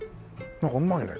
なんかうまいね。